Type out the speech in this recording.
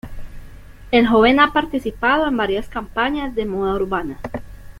El joven ha participado en varias campañas de moda urbana.